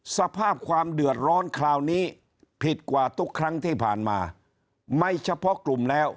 สภาพความเดือดร้อนคราวนี้ผิดกว่าทุกครั้งที่ผ่านมาไม่เฉพาะกลุ่มแล้ว